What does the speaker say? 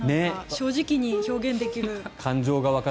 正直に表現できる。